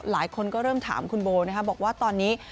หลายคนก็เริ่มถามคุณโบนะครับบอกว่าตอนนี้